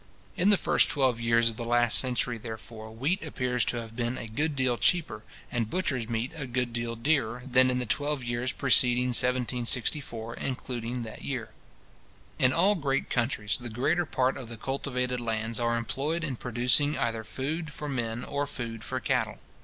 In the first twelve years of the last century, therefore, wheat appears to have been a good deal cheaper, and butcher's meat a good deal dearer, than in the twelve years preceding 1764, including that year. In all great countries, the greater part of the cultivated lands are employed in producing either food for men or food for cattle.